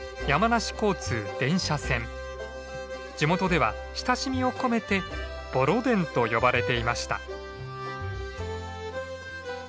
地元では親しみを込めてボロ電と呼ばれていました。